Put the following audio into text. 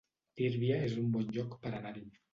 Tírvia es un bon lloc per anar-hi